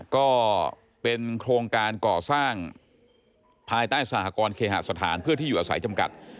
ก็เป็นโครงการก่อสร้างภายใต้สหกรณ์เคหสถานเพื่อที่อยู่อาศัยจำกัด